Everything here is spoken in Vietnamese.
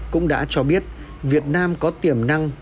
cũng đã cho biết việt nam có tiềm năng